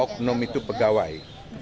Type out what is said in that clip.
oknum itu pegawai